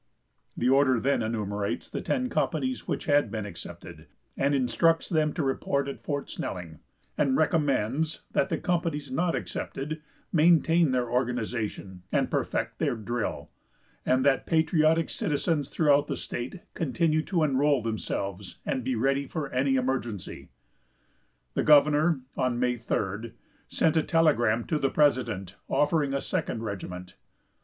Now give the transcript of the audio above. The order then enumerates the ten companies which had been accepted, and instructs them to report at Fort Snelling, and recommends that the companies not accepted maintain their organization and perfect their drill, and that patriotic citizens throughout the state continue to enroll themselves, and be ready for any emergency. The governor, on May 3d, sent a telegram to the president, offering a second regiment.